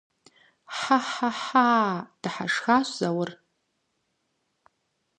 Хьэ-хьэ-хьа! - дыхьэшхащ Заур.